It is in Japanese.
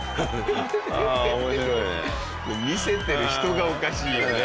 見せてる人がおかしいよね。